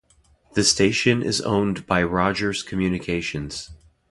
The station is owned by Rogers Communications.